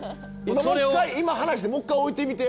もう１回今離してもう１回置いてみて。